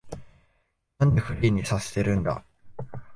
なんでフリーにさせてるんだ